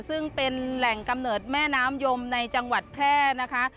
ซึ่งเป็นแหล่งกำเนิดแม่น้ำยมในจังหวัดแพร่นะคะ